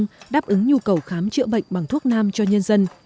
đáp ứng nhu cầu khám chữa bệnh bằng thuốc nam cho nhân dân